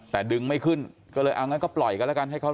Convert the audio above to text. แต่ดึงไม่ขึ้นก็เลยเอาอย่างนั้นก็ปล่อยกันแล้วกัน